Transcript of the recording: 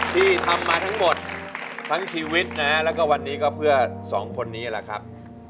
ที่ทำมาทั้งหมดทั้งชีวิตนะแล้วก็วันนี้ก็เพื่อสองคนนี้แหละครับ